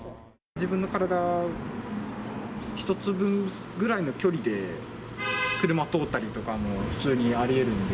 自分の体１つ分くらいの距離で車通ったりとかも普通にありえるので。